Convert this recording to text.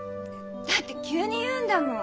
だって急に言うんだもん。